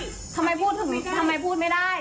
เทระยายยายถึงไล่หนูออกจากห่อเพราะว่าหนูไม่ได้ทำไรผิด